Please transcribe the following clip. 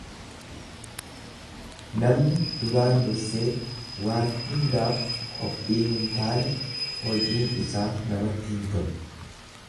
Namni duraan dursee waan hundaaf qophii hin taane hojiin isaa namatti hin tolu.